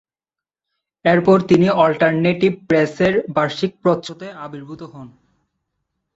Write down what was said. এরপর তিনি অল্টারনেটিভ প্রেস-এর বার্ষিক প্রচ্ছদে আবির্ভুত হন।